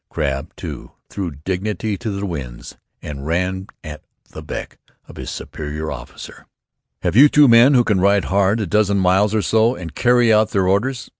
Crabb, too, threw dignity to the winds, and ran at the beck of his superior officer. "Have you two men who can ride hard a dozen miles or so and carry out their orders?"